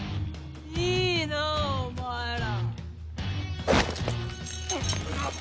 いいなお前ら。